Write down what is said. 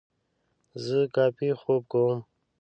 زه کافي خوب کوم.